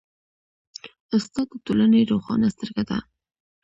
استاد د ټولنې روښانه سترګه ده.